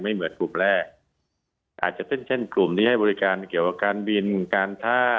เหมือนกลุ่มแรกอาจจะเป็นเช่นกลุ่มที่ให้บริการเกี่ยวกับการบินการท่า